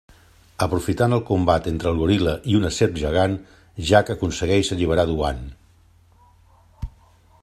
Aprofitant el combat entre el goril·la i una serp gegant, Jack aconsegueix alliberar Duane.